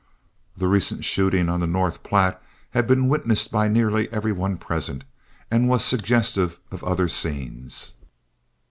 The recent shooting on the North Platte had been witnessed by nearly every one present, and was suggestive of other scenes.